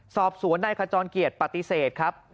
สอบสวนนายขจรเกียรติปฏิเสธครับ